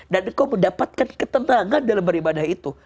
dan engkau mendapatkan ketenangan dalam beribadah itu